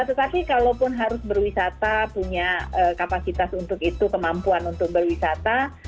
tetapi kalaupun harus berwisata punya kapasitas untuk itu kemampuan untuk berwisata